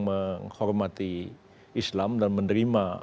menghormati islam dan menerima